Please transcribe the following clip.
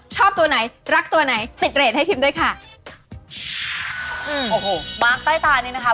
ชอบตัวไหนรักตัวไหนติดเรทให้พิมพ์ด้วยค่ะอืมโอ้โหมาร์คใต้ตานี่นะคะ